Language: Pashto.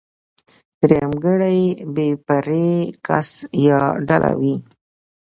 درېمګړی بې پرې کس يا ډله وي.